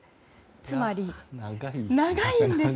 つまり長いんです。